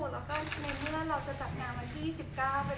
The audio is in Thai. แล้วก็ในเมื่อเราจะจัดงานวันที่๑๙